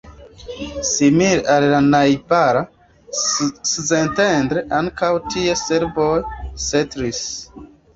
Simile al la najbara Szentendre, ankaŭ tie serboj setlis.